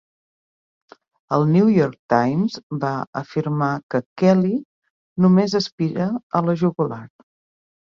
El "New York Times" va afirmar que Kelley "només aspira a la jugular.